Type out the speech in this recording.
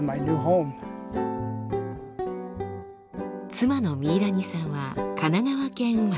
妻のミイラニさんは神奈川県生まれ。